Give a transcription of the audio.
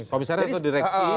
komisaris atau direksi